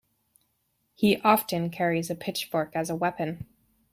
He often carries a pitchfork as a weapon.